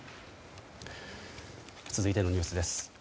続いてのニュースです。